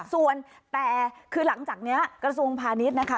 ส่วนแต่คือหลังจากนี้กระทรวงพาณิชย์นะคะ